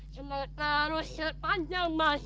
sementara sepanjang masa